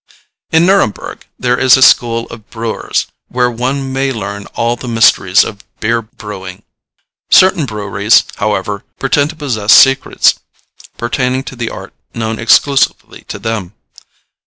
In Nuremberg there is a school of brewers, where one may learn all the mysteries of beer brewing. Certain breweries, however, pretend to possess secrets pertaining to the art known exclusively to them.